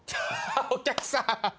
お客さん